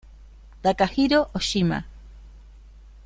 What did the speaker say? Takahiro Oshima